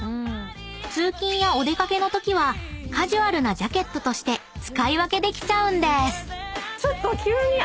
［通勤やお出掛けのときはカジュアルなジャケットとして使い分けできちゃうんです］